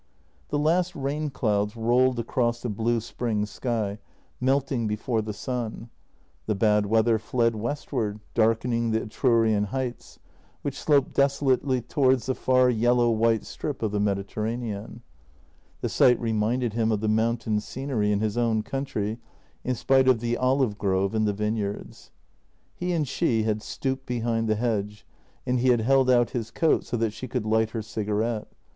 The last rain clouds rolled across the blue spring sky, melt ing before the sun; the bad weather fled westward, darkening the Etrurian heights, which sloped desolately towards the far yellow white strip of the Mediterranean. The sight reminded him of the mountain scenery in his own country, in spite of the olive grove and the vineyards. He and she had stooped behind the hedge, and he had held out his coat so that she could light her cigarette.